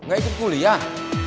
gak ikut kuliah